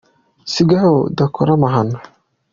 sigaho udakora amahano.